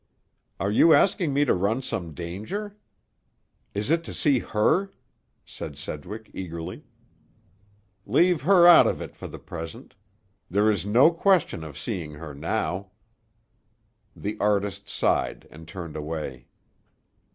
"Are you asking me to run some danger? Is it to see her?" said Sedgwick eagerly. "Leave her out of it for the present. There is no question of seeing her now." The artist sighed and turned away.